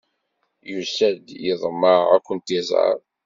Yusa-d, yeḍmeɛ ad kent-iẓer.